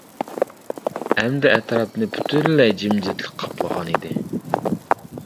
ئەمدى ئەتراپنى پۈتۈنلەي جىمجىتلىق قاپلىغان ئىدى.